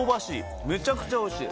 めちゃくちゃおいしい。